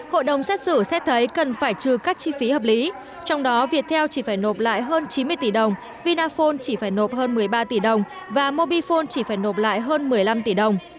hội đồng xét xử xét thấy cần phải trừ các chi phí hợp lý trong đó viettel chỉ phải nộp lại hơn chín mươi tỷ đồng vinaphone chỉ phải nộp hơn một mươi ba tỷ đồng và mobifone chỉ phải nộp lại hơn một mươi năm tỷ đồng